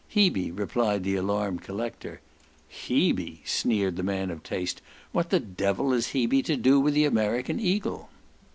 "Hebe," replied the alarmed collector. "Hebe," sneered the man of taste, "What the devil has Hebe to do with the American eagle?"